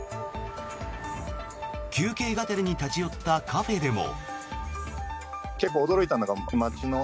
休憩がてらに立ち寄ったカフェでも。